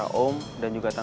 ibu itu bapak